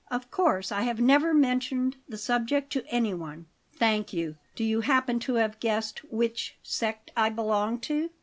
Of course I have never mentioned the subject to anyone." "Thank you. Do you happen to have guessed which sect I belong to?"